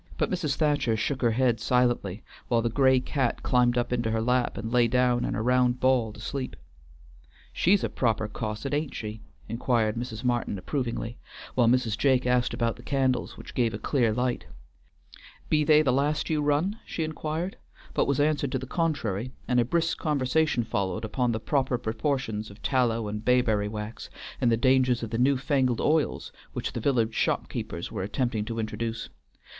But Mrs. Thacher shook her head silently, while the gray cat climbed up into her lap and laid down in a round ball to sleep. "She's a proper cosset, ain't she?" inquired Mrs. Martin approvingly, while Mrs. Jake asked about the candles, which gave a clear light. "Be they the last you run?" she inquired, but was answered to the contrary, and a brisk conversation followed upon the proper proportions of tallow and bayberry wax, and the dangers of the new fangled oils which the village shop keepers were attempting to introduce.